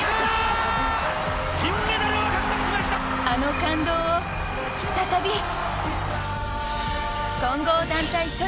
あの感動を再び。